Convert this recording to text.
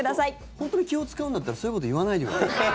本当に気を使うんだったらそういうこと言わないでください。